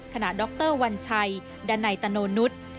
ขณะดรวัญชัยดันไหนตโนนุษย์